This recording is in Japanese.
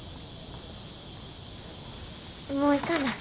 もう行かな。